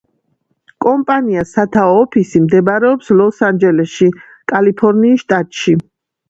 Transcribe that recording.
კომპანია სათაო ოფისი მდებარეობს ლოს-ანჯელესში, კალიფორნიის შტატში.